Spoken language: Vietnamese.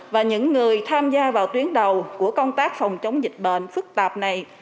và những người tham gia vào tuyến đầu của công tác phòng chống dịch bệnh phức tạp này